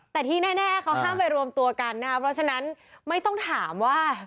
แต่ที่แน่เขาห้ามไปรวมตัวกันนะครับเพราะฉะนั้นไม่ต้องถามว่า